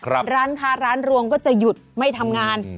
ร้านค้าร้านรวงก็จะหยุดไม่ทำงาน